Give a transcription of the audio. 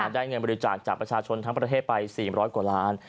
ได้เงินบริจาคจากประชาชนทั้งประเทศไป๔๐๐กว่าล้าน